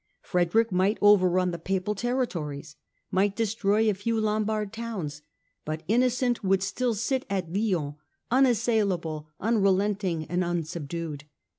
Frederick might overrun the Papal territories, might destroy a few Lombard towns. But Innocent would still sit at Lyons, unassailable, unrelenting and unsub dued.